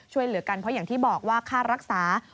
ช่วยเหลือกันเพราะอย่างที่บอกว่าค่ารักษา